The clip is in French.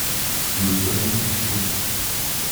Le soleil est chaud.